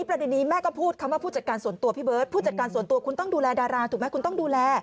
พัฒนภาคที่ไหนคุณต้องดูแลดารา